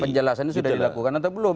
penjelasannya sudah dilakukan atau belum